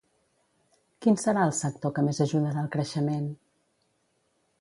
Quin serà el sector que més ajudarà al creixement?